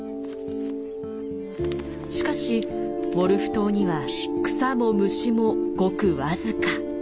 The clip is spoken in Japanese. しかしウォルフ島には草も虫もごく僅か。